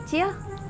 buat si kecil